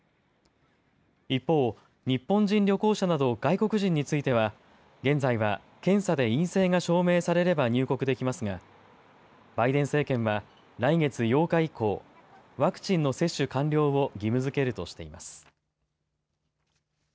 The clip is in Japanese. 一方、日本人旅行者など外国人については現在は検査で陰性が証明されれば入国できますがバイデン政権は来月８日以降、ワクチンの接種完了を義務づけるとしています。